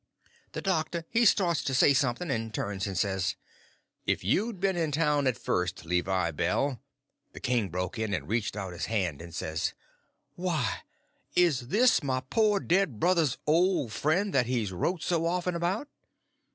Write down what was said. The doctor he started to say something, and turns and says: "If you'd been in town at first, Levi Bell—" The king broke in and reached out his hand, and says: "Why, is this my poor dead brother's old friend that he's wrote so often about?"